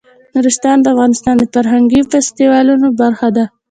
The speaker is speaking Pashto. نورستان د افغانستان د فرهنګي فستیوالونو برخه ده.